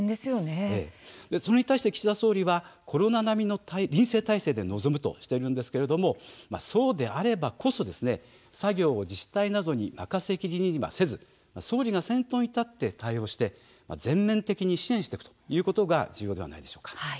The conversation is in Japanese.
それに対して岸田総理はコロナ並みの臨戦態勢で臨むとしているんですがそうであればこそ作業を自治体などに任せきりにせず総理が先頭に立って対応して全面的に支援していくということが重要ではないでしょうか。